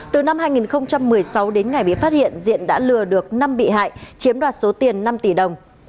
từ năm hai nghìn một mươi sáu đến ngày bị phát hiện diện đã lừa được năm bị hại chiếm đoạt số tiền năm tỷ đồng